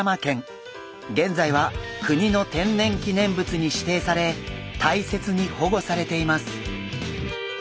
現在は国の天然記念物に指定され大切に保護されています。